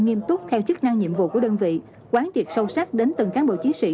nghiêm túc theo chức năng nhiệm vụ của đơn vị quán triệt sâu sắc đến từng cán bộ chiến sĩ